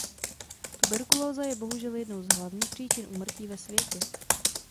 Tuberkulóza je bohužel jednou z hlavních příčin úmrtí ve světě.